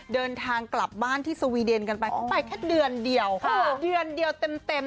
เดินทางกลับบ้านที่สวีเดนกันไปเขาไปแค่เดือนเดียวเดือนเดียวเต็มเต็ม